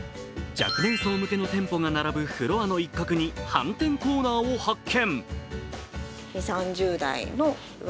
若年層向けの店舗が並ぶフロアの一角にはんてんコーナーを発見。